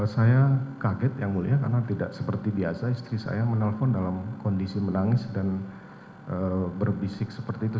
saya kaget yang mulia karena tidak seperti biasa istri saya menelpon dalam kondisi menangis dan berbisik seperti itu